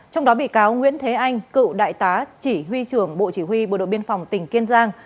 trong đó bị cáo nguyễn thế anh cựu đại tá chỉ huy trưởng bộ chỉ huy bộ đội biên phòng tỉnh kiên giang